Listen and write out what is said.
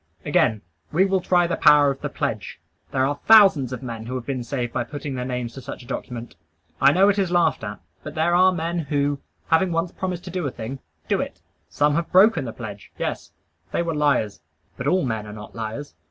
Again: we will try the power of the pledge. There are thousands of men who have been saved by putting their names to such a document. I know it is laughed at; but there are men who, having once promised a thing, do it. "Some have broken the pledge." Yes; they were liars. But all men are not liars.